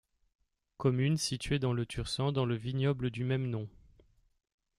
Commune située dans le Tursan dans le vignoble du même nom.